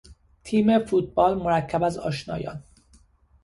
تیم فوتبال مرکب از آشنایان